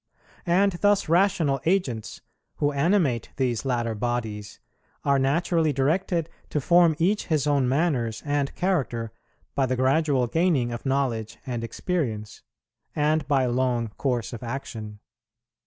And thus rational agents, who animate these latter bodies, are naturally directed to form each his own manners and character by the gradual gaining of knowledge and experience, and by a long course of action.